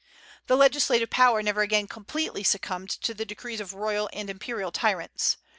The legislative power never again completely succumbed to the decrees of royal and imperial tyrants.